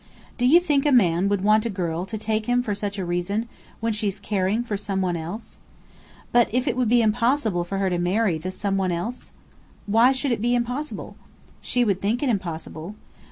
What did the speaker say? "Do you think a man would want a girl to take him for such a reason, when she's caring for some one else?" "But, if it would be impossible for her to marry the some one else?" "Why should it be impossible?" "She would think it impossible."